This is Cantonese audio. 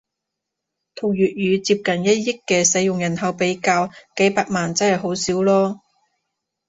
同粵語接近一億嘅使用人口比較，幾百萬真係好少囉